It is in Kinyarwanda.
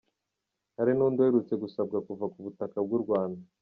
Hari n’undi uherutse gusabwa kuva ku butaka bw’u Rwanda.